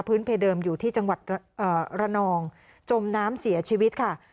เพเดิมอยู่ที่จังหวัดระนองจมน้ำเสียชีวิตค่ะ